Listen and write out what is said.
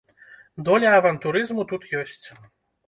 Доля авантурызму тут ёсць.